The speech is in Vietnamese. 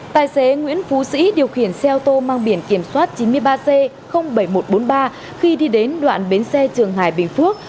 tài xế nguyễn phú sĩ điều khiển xe ô tô mang biển kiểm soát chín mươi ba c bảy nghìn một trăm bốn mươi ba khi đi đến đoạn bến xe trường hải bình phước